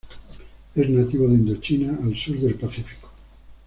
Es nativo de Indochina al sur del Pacífico.